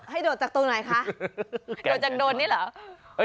ให้โดดตัวไหนค่ะ